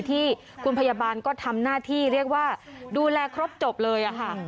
ที่คุณพยาบาลก็ทำหน้าที่เรียกว่าดูแลครบจบเลยค่ะ